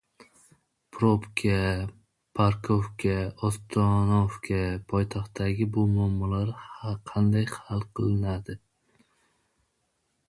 “Probka”, “parkovka”, “ostanovka”. Poytaxtdagi bu muammolar qanday hal etiladi?